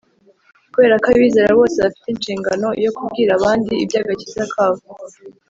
Kubera ko abizera bose bafite inshingano yo kubwira abandi iby'agakiza kabo,